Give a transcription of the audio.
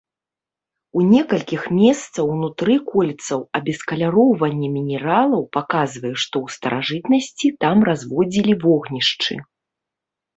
У некалькіх месцах ўнутры кольцаў абескаляроўванне мінералаў паказвае, што ў старажытнасці там разводзілі вогнішчы.